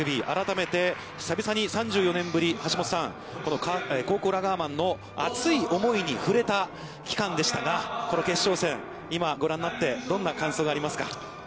改めて、久々に３４年ぶり、橋下さん、この高校ラガーマンの熱い思いに触れた期間でしたが、この決勝戦、今ごらんになってどんな感想がありますか。